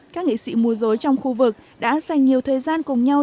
các nghệ sĩ mua dối trong khu vực đã dành nhiều thời gian cùng nhau